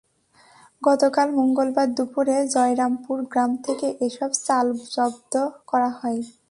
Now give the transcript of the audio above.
গতকাল মঙ্গলবার দুপুরে জয়রামপুর গ্রাম থেকে এসব চাল জব্দ করা হয়।